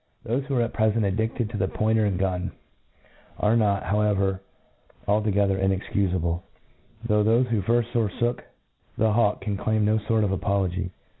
Thofe who are at prefent addifted to the point ^ cr and gun, are not, however, altogether incx^ cufable i — —though thofe who firft forfook the hawk can claim no fort of apology.